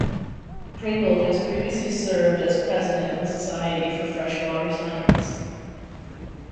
Pringle has previously served as President of the Society for Freshwater Science.